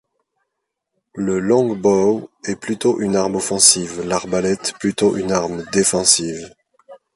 Le Longbow est plutôt une arme offensive, l'arbalète plutôt une arme défensive.